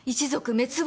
滅亡。